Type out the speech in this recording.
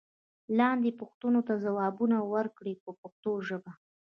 لاندې پوښتنو ته ځوابونه ورکړئ په پښتو ژبه.